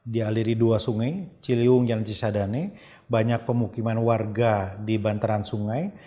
dialiri dua sungai ciliwung jalan cisadane banyak pemukiman warga di bantaran sungai